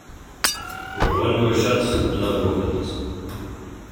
Where one door shuts, another opens.